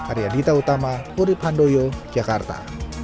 arya dita utama kurib handoyo jakarta